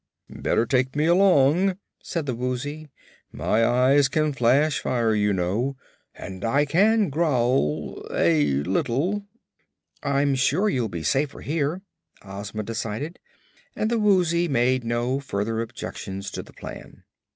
"Better take me along," said the Woozy. "My eyes can flash fire, you know, and I can growl a little." "I'm sure you'll be safer here," Ozma decided, and the Woozy made no further objection to the plan.